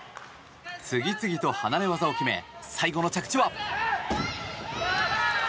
次々と離れ技を決め最後の着地は。